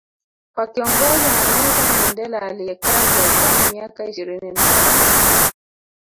Wakiongozwa na Nelson Mandela aliyekaa gerezani miaka ishirini na Saba